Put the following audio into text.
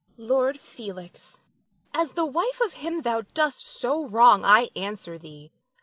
Nina. Lord Felix, as the wife of him thou dost so wrong, I answer thee.